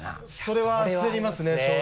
それはありますね。